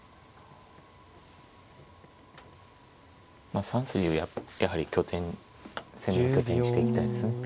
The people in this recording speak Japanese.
まあ３筋をやはり拠点攻めの拠点にしていきたいですね。